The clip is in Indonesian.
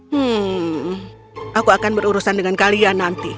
hmm aku akan berurusan dengan kalian nanti